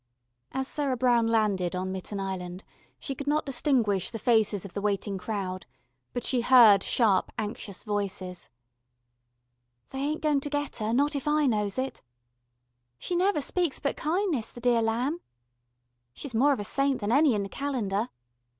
As Sarah Brown landed on Mitten Island she could not distinguish the faces of the waiting crowd, but she heard sharp anxious voices. "They ain't goin' to get 'er, not if I knows it." "She never speaks but kindness, the dear lamb." "She's more of a saint than any in the Calendar."